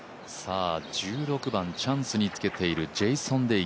１６番、チャンスにつけているジェイソン・デイ。